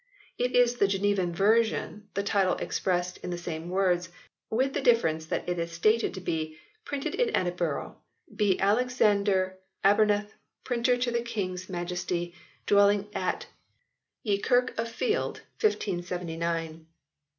It is the Genevan version, the title expressed in the same words, with the difference that it is stated to be "Printed In Edinbrugh Be Alexander Arbuthnet, Printer to the Kingis Maiestie, dwelling at y e Kirk of feild. 1579."